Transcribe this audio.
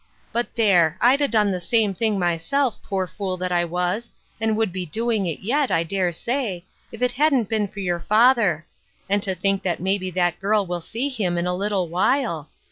But there ! I'd 'a' done the same, myself, poor fool that I was, and would be doing it yet, I dare say, if it hadn't been for your father. And to think that maybe that girl will see him in a little while